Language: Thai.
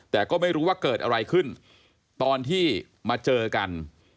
แต่ก็ไม่รู้ว่าเกิดอะไรขึ้นตอนที่มาเจอกัน